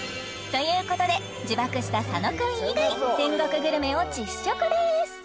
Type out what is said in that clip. ということで自爆した佐野くん以外天国グルメを実食です